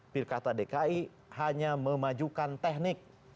pirkata dki hanya memajukan teknik